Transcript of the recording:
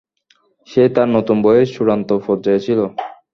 সে তার নতুন বইয়ের চূড়ান্ত পর্যায়ে ছিল।